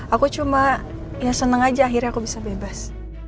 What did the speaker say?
aku cuma ya seneng aja akhirnya aku bisa bebas